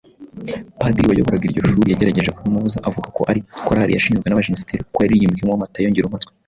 padiri wayoboraga iryo shuri yagerageje kubimubuza avuga ko ari korali yashinzwe nabajenosideri kuko yanaririmbyemo Matayo Ngirumpatse